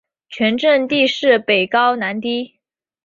全镇地势北高南低。